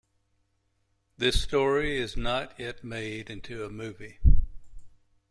This story is not yet made into a movie.